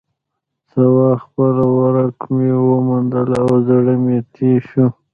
ته وا خپله ورکه مې وموندله او زړه مې تیز شو.